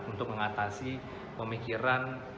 untuk mengatasi pemikiran